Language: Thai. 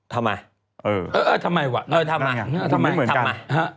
ทำไมเออเออทำไมวะเออทำมาทำไมทำมาฮะ